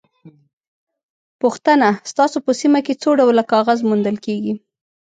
پوښتنه: ستاسو په سیمه کې څو ډوله کاغذ موندل کېږي؟